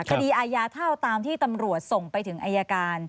คดีอาญาเท่าตามที่ตำรวจส่งไปถึงอายการ